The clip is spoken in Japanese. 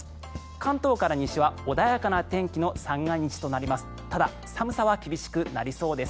関東から西は穏やかな天気の三が日となります。